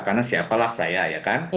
karena siapalah saya ya kan